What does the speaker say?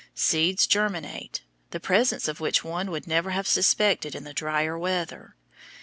Seeds germinate, the presence of which one would never have suspected in the drier weather.